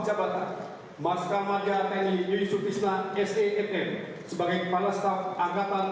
kepada marshal tengi j n e disilahkan menuju meja penanda tangan